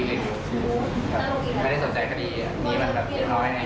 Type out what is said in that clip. เกิดเหตุสักประมาณ๒ทุ่มได้